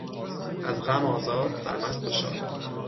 از غم آزاد، سرمست و شاد